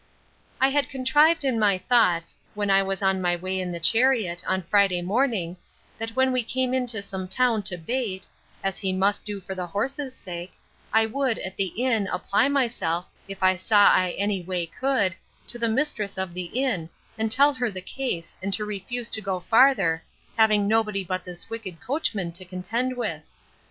I had contrived in my thoughts, when I was on my way in the chariot, on Friday morning, that when we came into some town to bait, as he must do for the horses' sake, I would, at the inn, apply myself, if I saw I any way could, to the mistress of the inn, and tell her the case, and to refuse to go farther, having nobody but this wicked coachman to contend with.